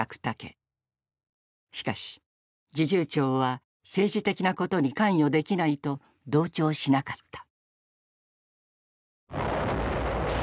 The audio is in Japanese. しかし侍従長は政治的なことに関与できないと同調しなかった。